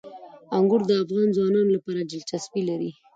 انګور د افغان ځوانانو لپاره دلچسپي لري.